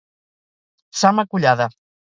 Sama 'collada'.